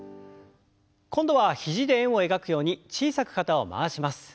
今度は肘で円を描くように小さく肩を回します。